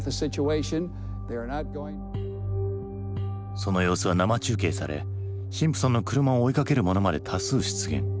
その様子は生中継されシンプソンの車を追いかける者まで多数出現。